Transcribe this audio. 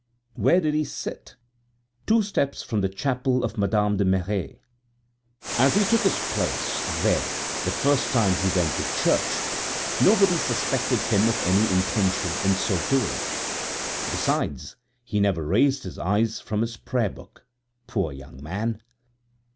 Where did he sit? Two steps from the chapel of Madame de Merret. As he took his place there the first time he went to church, nobody suspected him of any intention in so doing. Besides, he never raised his eyes from his prayer book, poor young man!